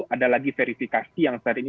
ada lagi verifikasi yang saat ini